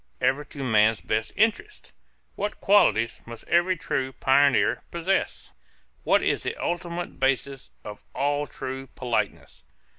Ever to man's best interests? What qualities must every true pioneer possess? What is the ultimate basis of all true politeness?